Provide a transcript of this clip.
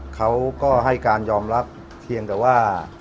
เขาก็ให้การยอมรับเพียงแต่ว่า